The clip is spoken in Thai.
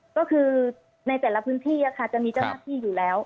ก็คือในแต่ละพื้นที่จะมีเจ้าหน้าที่อยู่แล้ว